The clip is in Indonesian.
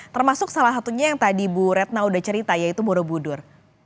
termasuk salah satunya yang tadi bu retna udah cerita yaitu borobudur